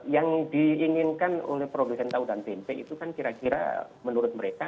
yang diinginkan oleh produsen tautan tmp itu kan kira kira menurut mereka